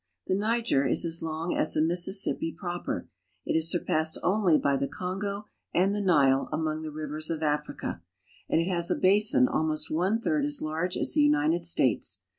The Niger is as long as the Mississippi proper. It is lurpassed only by the Kongo and the Nile among the fivers of Africa, and it has a basin almost one third as brge as the United States.